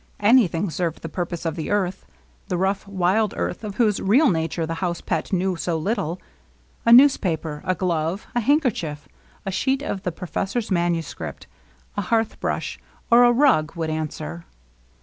Anything served the purpose of the earth, — the rough, wild earth of whose real nature the house pet knew so little. A newspaper, a glove, a hand kerchief, a sheet of the professor's manuscript, a hearth brush, or a rug would answer.